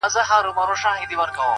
شمع هم د جهاني په غوږ کي وايي-